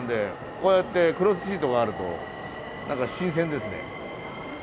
こうやってクロスシートがあると何か新鮮ですね。